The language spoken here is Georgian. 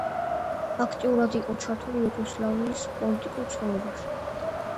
აქტიურად იყო ჩართული იუგოსლავიის პოლიტიკურ ცხოვრებაში.